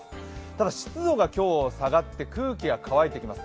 ただ湿度が今日下がって空気が乾いてきます。